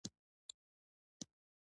ایا د کور کار کوي؟